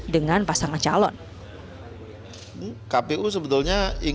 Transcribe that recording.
selain undang undang memang menentukan